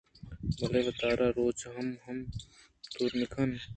بلے وتارا روچ ءِ ہم ءُ ہم درور مہ کن